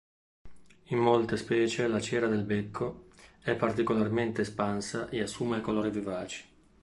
In molte specie la cera del becco è particolarmente espansa e assume colori vivaci.